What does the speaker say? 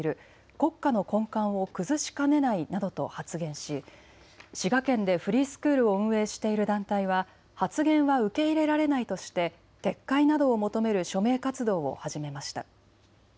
国家の根幹を崩しかねないなどと発言し滋賀県でフリースクールを運営している団体は発言は受け入れられないとして撤回などを求める署名活動を始めました。